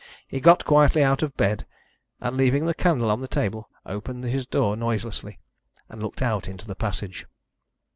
He got quietly out of bed, and, leaving the candle on the table, opened his door noiselessly and looked out into the passage.